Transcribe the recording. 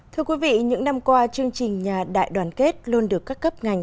thưa quý vị những năm qua chương trình nhà đại đoàn kết luôn được các cấp ngành